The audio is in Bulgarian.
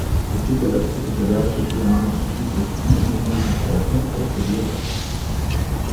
Учителят употребяваше тия мънички хитрости, ненужни впрочем, пред хаджията.